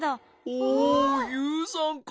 おユウさんか。